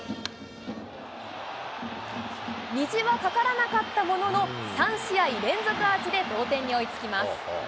虹はかからなかったものの３試合連続アーチで同点に追いつきます。